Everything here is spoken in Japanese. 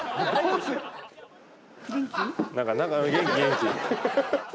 元気元気。